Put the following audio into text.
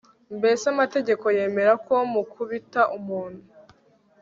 mbese amategeko yemera ko mukubita umuntu